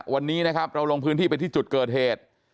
วันนี้นะครับเราลงพื้นที่ไปที่จุดเกิดเหตุ